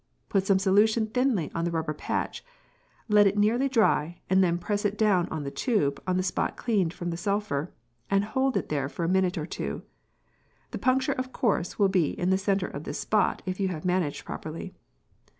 Put some solution thinly on the rubber patch, let it nearly dry, and then press it down on the tube, on the spot cleaned from sulphur, and hold it there for a minute or two. The puncture of course will be in the centre of this spot if you have managed properly.